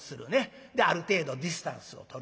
である程度ディスタンスをとるという。